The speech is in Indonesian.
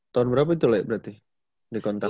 tahun berapa itu berarti dikontak